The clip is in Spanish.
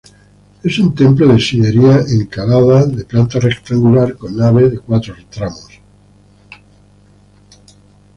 Es un templo de sillería encalada, de planta rectangular, con nave de cuatro tramos.